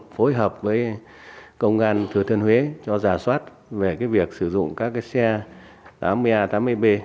kết hợp với công an thứ thiên huế cho giả soát về việc sử dụng các xe tám mươi a tám mươi b